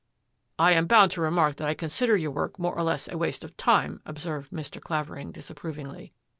" I am bound to remark that I consider your work more or less a waste of time," observed Mr. Clavering disapprovingly.